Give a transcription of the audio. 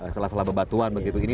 salah salah bebatuan begitu ini